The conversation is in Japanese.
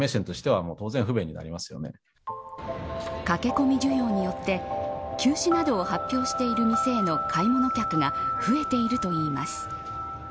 駆け込み需要によって休止などを発表している店への買い物客が増えているといいます。